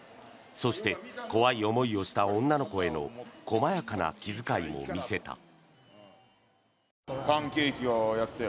そして怖い思いをした女の子への細やかな気遣いも見せた。